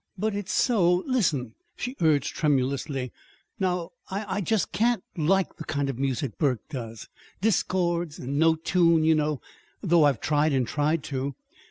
"But it's so. Listen," she urged tremulously. "Now I I just can't like the kind of music Burke does, discords, and no tune, you know, though I've tried and tried to.